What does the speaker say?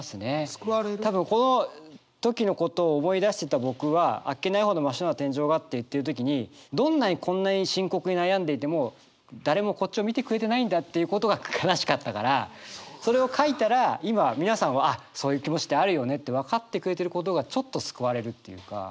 多分この時のことを思い出してた僕は「あっけないほど真っ白な天井が」って言ってる時にどんなにこんなに深刻に悩んでいても誰もこっちを見てくれてないんだっていうことが悲しかったからそれを書いたら今皆さんは「あそういう気持ちってあるよね」って分かってくれてることがちょっと救われるっていうか。